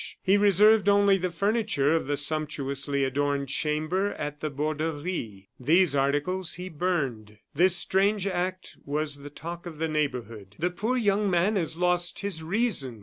He reserved only the furniture of the sumptuously adorned chamber at the Borderie. These articles he burned. This strange act was the talk of the neighborhood. "The poor young man has lost his reason!"